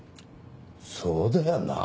そうだよなぁ。